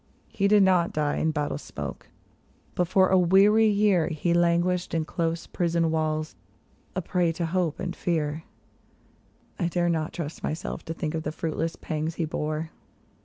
He did not die in battle smoke, but for a weary year He languished in close prison walls, a prey to hope and fear ; I dare not trust myself to think of the fruitless pangs he bore.